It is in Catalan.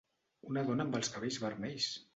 Una dona amb els cabells vermells!